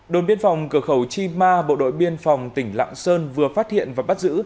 đồn biên phòng cửa khẩu chi ma bộ đội biên phòng tỉnh lạng sơn vừa phát hiện và bắt giữ